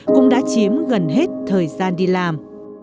cũng đã chiếm gần hết thời gian đi làm